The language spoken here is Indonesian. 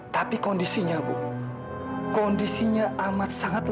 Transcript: tapi kondisinya ibu kondisinya amat sangat lemah